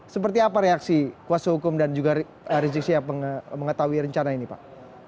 seperti apa reaksi kuasa hukum dan juga rizik sihab mengetahui rencana ini pak